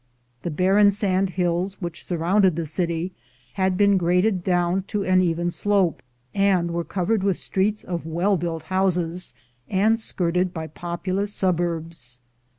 The barren sand hills which surrounded the city had been graded down to an even slope, and were covered with streets of well built houses, and skirted by populous suburbs.